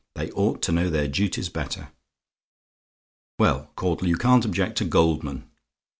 They ought to know their duties better. "Well, Caudle, you can't object to Goldman?